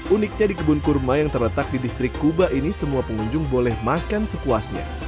uniknya di kebun kurma yang terletak di distrik kuba ini semua pengunjung boleh makan sepuasnya